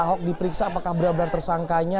ahok diperiksa apakah benar benar tersangkanya